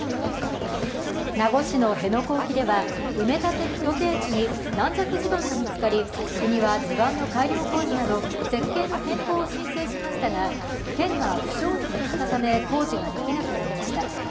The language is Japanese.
名護市の辺野古沖では埋め立て予定地に軟弱地盤が見つかり、国は地盤の改良工事など設計の変更を申請しましたが県が不承認としたため工事ができなくなりました。